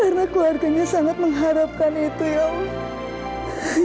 karena keluarganya sangat mengharapkan itu ya allah